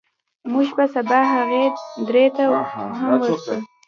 موږ به سبا هغې درې ته هم ورځو.